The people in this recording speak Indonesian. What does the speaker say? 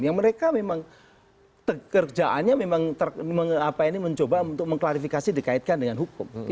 yang mereka memang kerjaannya memang mencoba untuk mengklarifikasi dikaitkan dengan hukum